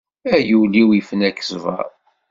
A yul-iw ifna-k ssbeṛ!